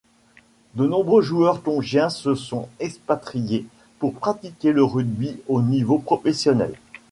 De nombreux joueurs tongiens se sont expatriés pour pratiquer le rugby au niveau professionnel.